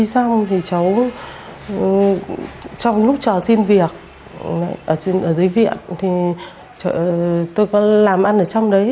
xong thì cháu trong lúc trò xin việc ở dưới viện thì tôi có làm ăn ở trong đấy